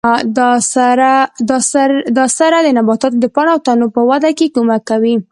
دا سره د نباتاتو د پاڼو او تنو په وده کې کومک کوي.